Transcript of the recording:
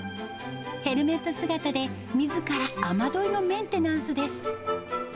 ヘルメット姿で、みずから雨どいのメンテナンスです。